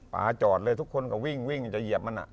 จอดเลยทุกคนก็วิ่งจะเหยียบมัน